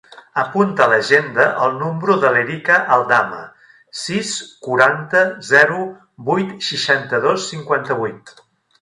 Apunta a l'agenda el número de l'Erica Aldama: sis, quaranta, zero, vuit, seixanta-dos, cinquanta-vuit.